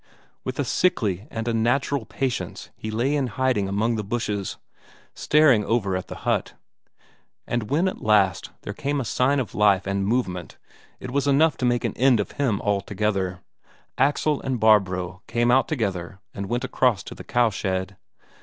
With a sickly and unnatural patience he lay in hiding among the bushes, staring over at the hut. And when at last there came a sign of life and movement it was enough to make an end of him altogether: Axel and Barbro came out together and went across to the cowshed.